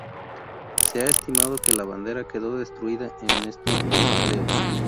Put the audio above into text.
Se ha estimado que la bandera quedó destruida en estos bombardeos.